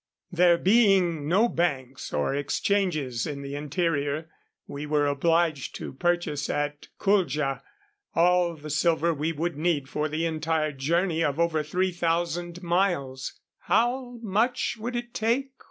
There being no banks or exchanges in the interior, we were obliged to purchase at Kuldja all the silver we would need for the entire journey of over three thousand miles. "How much would it take?"